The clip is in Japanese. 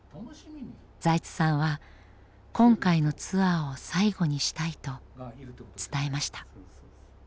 財津さんは今回のツアーを最後にしたいと伝えました。